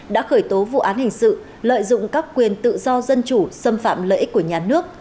đã khởi tố vụ án hình sự lợi dụng các quyền tự do dân chủ xâm phạm lợi ích của nhà nước